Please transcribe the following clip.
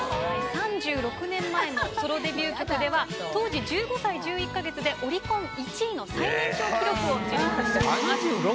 ３６年前のソロデビュー曲では当時１５歳１１か月でオリコン１位の最年少記録を樹立しました。